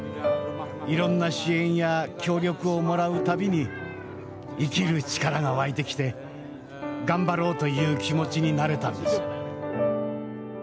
いろんな支援や協力をもらうたびに生きる力が湧いてきて頑張ろうという気持ちになれたんです。